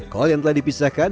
kol yang telah dipisahkan